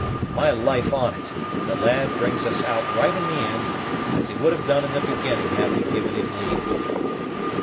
My life on it, the lad brings us out right in the ind, as he would have done in the beginning had we given him leave."